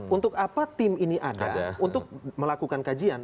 untuk apa tim ini ada untuk melakukan kajian